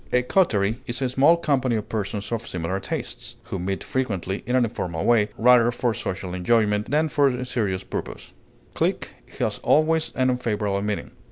A coterie is a small company of persons of similar tastes, who meet frequently in an informal way, rather for social enjoyment than for any serious purpose. Clique has always an unfavorable meaning.